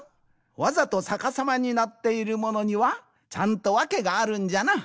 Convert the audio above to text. わざとさかさまになっているものにはちゃんとわけがあるんじゃな。